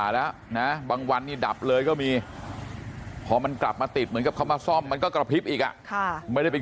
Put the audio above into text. จุดเยอะเหลือเกิน